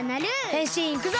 へんしんいくぞ！